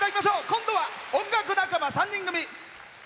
今度は音楽仲間３人組。